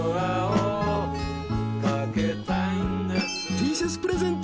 ［Ｔシャツプレゼント